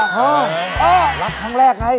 แล้วลักครั้งแรกไหน